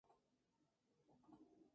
Prácticamente carece de clivaje.